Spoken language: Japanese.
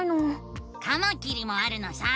カマキリもあるのさ！